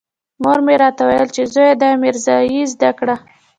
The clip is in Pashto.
مور مې راته ويل چې زويه دا ميرزايي زده کړه.